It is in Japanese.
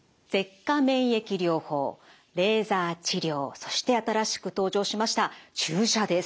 そして新しく登場しました注射です。